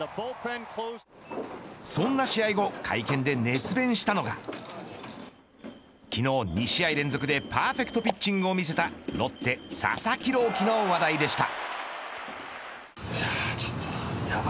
そんな試合後会見で熱弁したのが昨日２試合連続でパーフェクトピッチングを見せたロッテ佐々木朗希の話題でした。